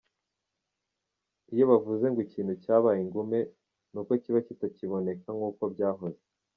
Iyo bavuze ngo ikintu cyabaye ingume, ni uko kiba kitakiboneka nk’uko byahoze.